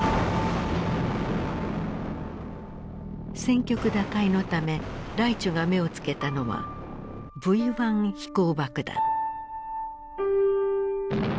戦局打開のためライチュが目を付けたのはＶ１飛行爆弾。